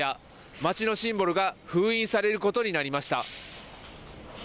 街のシンボルが封印されることになりました。